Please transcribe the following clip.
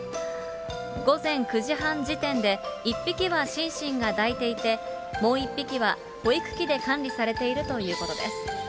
午前９時半時点で、１匹はシンシンが抱いていて、もう１匹は保育器で管理されているということです。